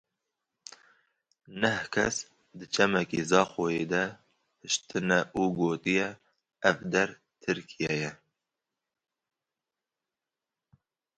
Neh kes di çemekî Zaxoyê de hiştine û gotiye; ev der Tirkiye ye.